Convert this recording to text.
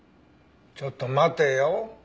ちょっと待てよ。